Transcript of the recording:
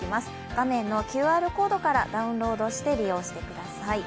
画面のＱＲコードからダウンロードして利用してください。